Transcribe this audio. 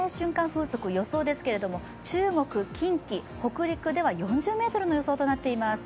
風速、予想ですけども、中国、近畿、北陸では４０メートルの予想となっています。